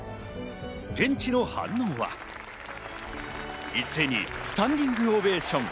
現地の反応は、一斉にスタンディングオベーション。